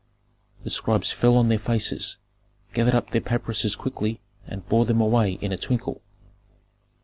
The scribes fell on their faces, gathered up their papyruses quickly, and bore them away in a twinkle.